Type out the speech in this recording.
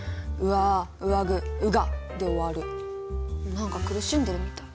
何か苦しんでるみたい。